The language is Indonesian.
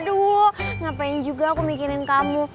aduh ngapain juga aku mikirin kamu